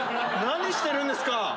何してるんですか！？